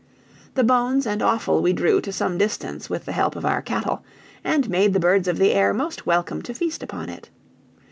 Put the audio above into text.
The bones and offal we drew to some distance with the help of our cattle, and made the birds of the air most welcome to feast upon it.